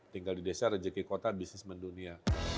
tinggal di desa rejeki kota bisnis mendunia